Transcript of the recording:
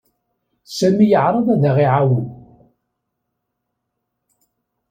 Sami yeɛreḍ ad aɣ-iɛawen.